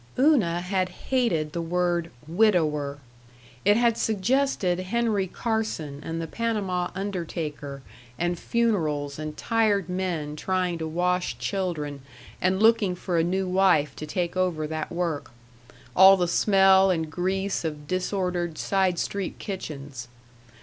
Una had hated the word "widower"; it had suggested Henry Carson and the Panama undertaker and funerals and tired men trying to wash children and looking for a new wife to take over that work; all the smell and grease of disordered side street kitchens.